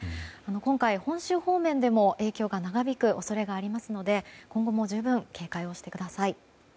今回、本州方面でも影響が長引く恐れがありますので今後も十分警戒をしてください。